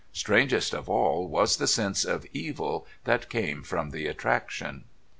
Strangest of all was the sense of evil that came with the attraction.